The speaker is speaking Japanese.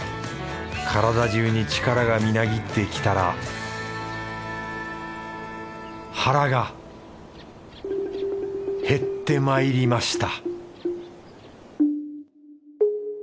体じゅうに力がみなぎってきたら腹が減ってまいりました